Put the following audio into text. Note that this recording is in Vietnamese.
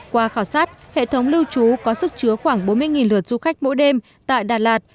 qua khảo sát hệ thống lưu trú có sức chứa khoảng bốn mươi lượt du khách mỗi đêm tại đà lạt